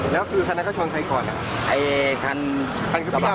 เมื่อเวลาเมื่อเวลา